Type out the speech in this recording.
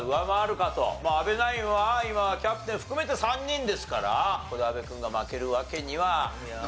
阿部ナインは今キャプテン含めて３人ですからここで阿部君が負けるわけにはいかない。